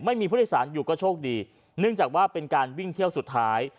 ไม่มีผู้โดยสารอยู่ก็โชคดีเนื่องจากว่าเป็นการวิ่งเที่ยวสุดท้าย